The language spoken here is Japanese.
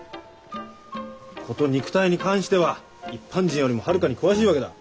こと肉体に関しては一般人よりもはるかに詳しいわけだ。